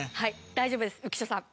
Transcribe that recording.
大丈夫です浮所さん。